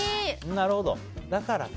なるほど、だからか。